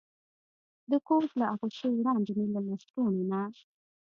د کوټ له اغوستو وړاندې مې له لستوڼو نه.